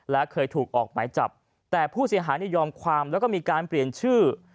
และเคยถูกออกหมายจับแต่ผู้เสียหายยอมความแล้วก็มีการเปลี่ยนชื่อ